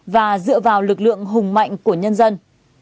và dựa vào lực lượng hùng mạnh của nhân dân